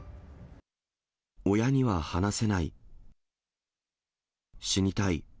親には話せない。